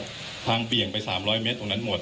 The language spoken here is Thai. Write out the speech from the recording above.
คุณผู้ชมไปฟังผู้ว่ารัฐกาลจังหวัดเชียงรายแถลงตอนนี้ค่ะ